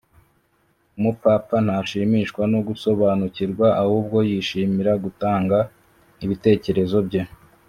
umupfapfa ntashimishwa no gusobanukirwa ahubwo yishimira gutanga ibitekerezo bye